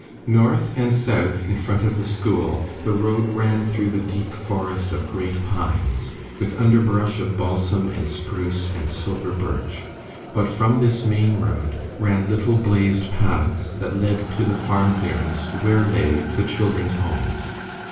North and south in front of the school the road ran through the deep forest of great pines, with underbrush of balsam and spruce and silver birch; but from this main road ran little blazed paths that led to the farm clearings where lay the children's homes.